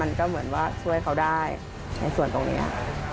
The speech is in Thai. มันก็เหมือนว่าช่วยเขาได้ในส่วนตรงนี้